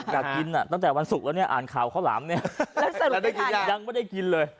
อยากกินน่ะตั้งแต่วันศุกร์แล้วเนี้ยอ่านข่าวข้าวหลามเนี้ยแล้วสรุปได้ทานยังไม่ได้กินเลย